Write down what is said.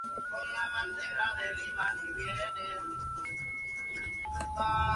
Sus otras dos hermanas siguen las aguas de sus hermanas mayores.